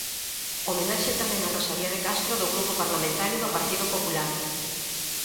Homenaxe tamén a Rosalía de Castro do grupo parlamentario do Partido Popular.